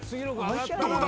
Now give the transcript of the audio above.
どうだ？